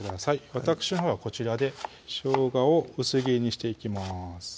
わたくしのほうはこちらでしょうがを薄切りにしていきます